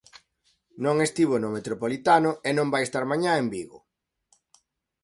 Non estivo no Metropolitano e non vai estar mañá en Vigo.